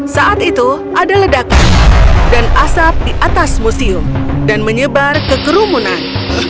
saat itu ada ledakan dan asap di atas museum dan menyebar ke kerumunan